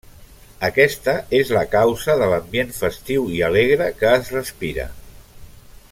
Aquesta és la causa de l'ambient festiu i alegre que es respira.